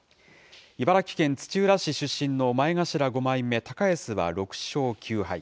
茨城県土浦市出身の前頭５枚目、高安は６勝９敗。